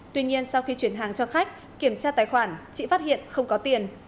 tuy nhiên sau khi chuyển hàng cho khách kiểm tra tài khoản chị phát hiện không có tiền